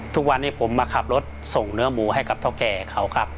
ทุกวันนี้ผมมาขับรถส่งเนื้อหมูให้ทาวแก่เค้า